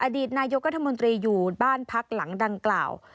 อดีตนายกรัฐมนตรีอยู่บ้านพักหลังดังกล่าว